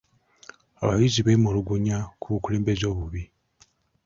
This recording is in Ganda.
Abayizi beemulugunya ku bukulembeze obubi.